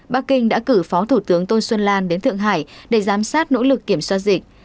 bắc kinh đã cử phó thủ tướng tôn xuân lan đến thượng hải để giám sát nỗ lực kiểm soát dịch